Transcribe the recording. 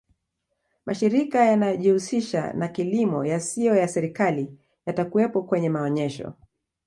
mashirika yanayojihusisha na kilimo yasiyo ya serikali yatakuwepo kwenye maonesho